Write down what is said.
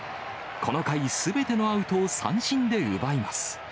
この回、すべてのアウトを三振で奪います。